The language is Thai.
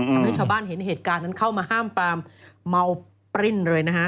ทำให้ชาวบ้านเห็นเหตุการณ์นั้นเข้ามาห้ามปรามเมาปริ้นเลยนะฮะ